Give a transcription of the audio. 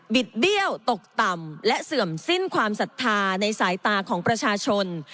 เบี้ยวตกต่ำและเสื่อมสิ้นความศรัทธาในสายตาของประชาชน